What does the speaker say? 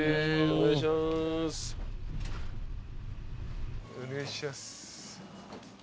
お願いします。